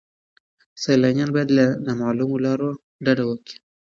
سیلانیان باید له نامعلومو لارو ډډه وکړي.